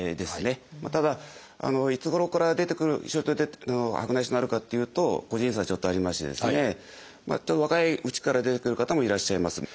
ただいつごろから出てくる白内障になるかっていうと個人差はちょっとありましてですね若いうちから出てくる方もいらっしゃいます。